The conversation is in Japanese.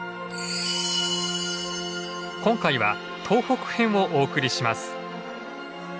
今回は東北編をお送りします。